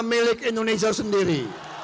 milik indonesia sendiri